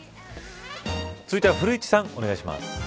続いては古市さんお願いします。